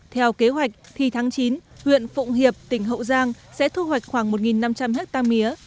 theo kế hoạch thì tháng chín huyện phụng hiệp tỉnh hậu giang sẽ thu hoạch khoảng một năm trăm linh hectare mía